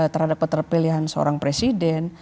terhadap keterpilihan seorang presiden